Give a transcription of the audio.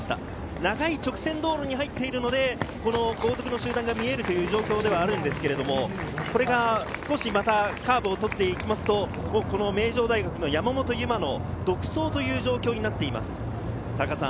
長い直線道路に入っているので、後続の集団が見えるという状況ではあるんですけれども、これが少しカーブをとっていきますと、名城大学の山本有真の独走という状況になっています。